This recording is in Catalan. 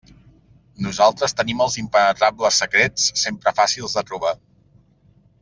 Nosaltres tenim els impenetrables secrets sempre fàcils de trobar.